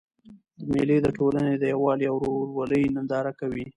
مېلې د ټولني د یووالي او ورورولۍ ننداره کوي.